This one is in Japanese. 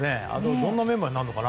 どんなメンバーになるのかな。